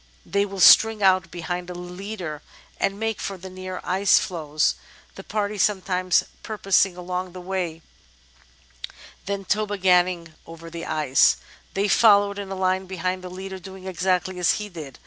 "They will string out behind a leader and make for Natural History 401 the near ice floes, the party sometimes porpoising along the water, then toboganing over the ice. They followed in a line behind the leader, doing exactly as he did.